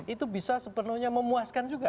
itu bisa sepenuhnya memuaskan juga